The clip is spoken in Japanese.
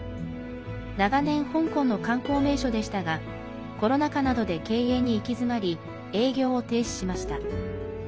長年、香港の観光名所でしたがコロナ禍などで経営に行き詰まり営業を停止しました。